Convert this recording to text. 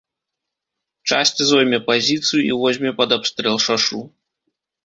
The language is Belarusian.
Часць зойме пазіцыю і возьме пад абстрэл шашу.